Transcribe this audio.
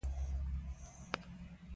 پوهان د ټولنې څراغونه دي.